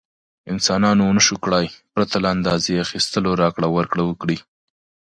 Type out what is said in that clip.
انسانانو ونشو کړای پرته له اندازې اخیستلو راکړه ورکړه وکړي.